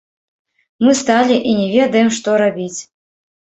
Мы сталі і не ведаем, што рабіць?